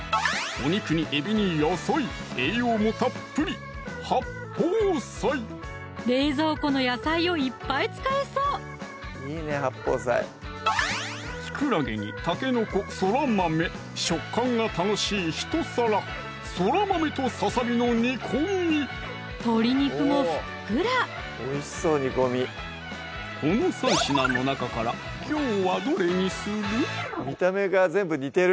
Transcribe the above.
お肉にえびに野菜栄養もたっぷり冷蔵庫の野菜をいっぱい使えそうきくらげにたけのこ・そら豆食感が楽しいひと皿鶏肉もふっくらこの３品の中からきょうはどれにする？